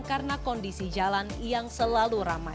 karena kondisi jalan yang selalu rambut